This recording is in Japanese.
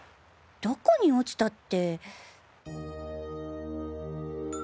どこに落ちたって。